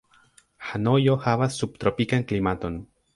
Hanojo havas subtropikan klimaton.